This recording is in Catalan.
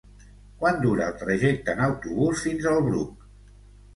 Quant dura el trajecte en autobús fins al Bruc?